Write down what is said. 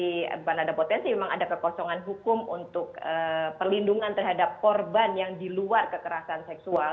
jadi karena ada potensi memang ada kekosongan hukum untuk perlindungan terhadap korban yang di luar kekerasan seksual